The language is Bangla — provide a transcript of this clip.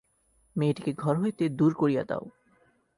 মেয়েটিকে ঘর হইতে দূর করিয়া দাও।